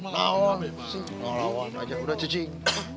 loh lawan aja udah cacing